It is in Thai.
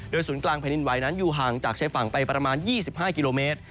ศูนย์กลางแผ่นดินไหวนั้นอยู่ห่างจากชายฝั่งไปประมาณ๒๕กิโลเมตร